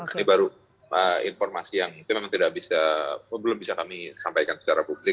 ini baru informasi yang itu memang tidak bisa belum bisa kami sampaikan secara publik